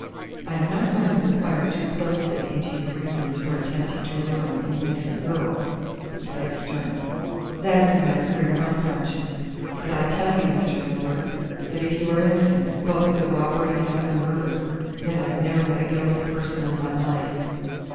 "I am not going to inquire too closely into your reasons for attempting to ruin an innocent girl," he said sternly. "That is a matter for your own conscience. But I tell you, Mr. Milburgh, that if you are innocent both of the robbery and of the murder then I've never met a guilty person in my life."